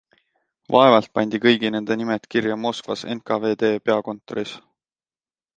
Vaevalt pandi kõigi nende nimed kirja Moskvas NKVD peakontoris?